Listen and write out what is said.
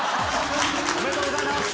おめでとうございます！